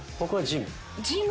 ジム！